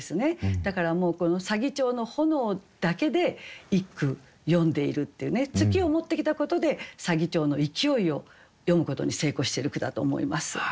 だからもうこの左義長の炎だけで一句詠んでいるっていうね「月」を持ってきたことで左義長の勢いを詠むことに成功してる句だと思います。